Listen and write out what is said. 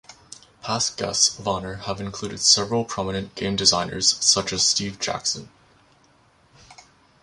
Past guests of honor have included several prominent game designers, such as Steve Jackson.